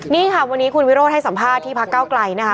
นี่ค่ะวันนี้คุณวิโรธให้สัมภาษณ์ที่พักเก้าไกลนะคะ